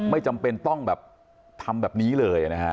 ไม่จำเป็นต้องแบบทำแบบนี้เลยนะฮะ